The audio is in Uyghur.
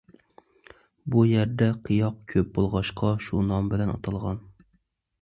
بۇ يەردە قىياق كۆپ بولغاچقا شۇ نام بىلەن ئاتالغان.